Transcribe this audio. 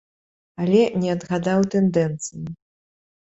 Але не адгадаў тэндэнцыі.